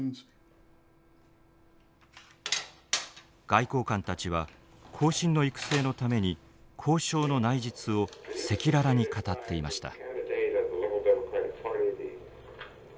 外交官たちは後進の育成のために交渉の内実を赤裸々に語っていました。